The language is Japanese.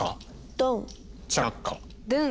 ドン。